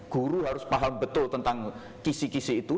guru harus paham betul tentang kisi kisi itu